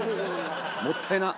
もったいな！